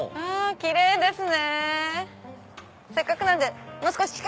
キレイですね！